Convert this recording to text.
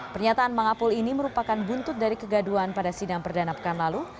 pernyataan mangapul ini merupakan buntut dari kegaduan pada sidang perdana pekan lalu